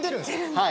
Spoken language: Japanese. はい。